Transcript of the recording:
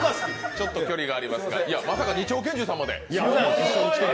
ちょっと距離がありますが、まさか２丁拳銃さんまで。